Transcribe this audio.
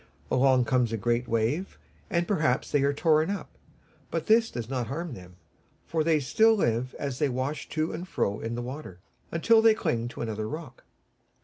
Along comes a great wave, and perhaps they are torn up; but this does not harm them, for they still live as they wash to and fro in the water, until they cling to another rock.